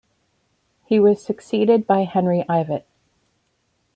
He was succeeded by Henry Ivatt.